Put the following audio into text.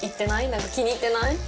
何か気に入ってない？